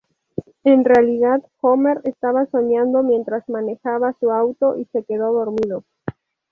En realidad, Homer estaba soñando mientras manejaba su auto y se quedó dormido.